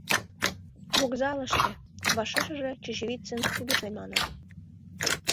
— Вокзалыште, — вашешыже Чечевицын кугешнен мане.